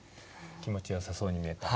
気持ちよさそうに見えた？